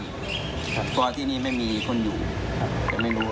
เพราะว่าที่นี่ไม่มีคนอยู่จะไม่รู้